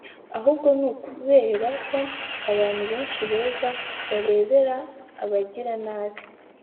ahubwo ni ukubera ko abantu benshi beza barebera abagira nabi ”